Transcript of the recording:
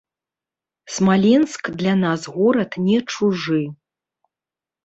Смаленск для нас горад не чужы.